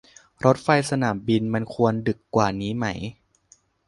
รถไฟสนามบินมันควรดึกกว่านี้ไหม